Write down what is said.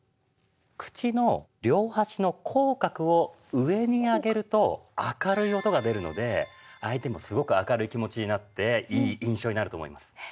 口の両端の口角を上に上げると明るい音が出るので相手もすごく明るい気持ちになっていい印象になると思います。